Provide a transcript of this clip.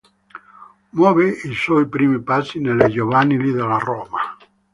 Muove i suoi primi passi nelle giovanili della Roma.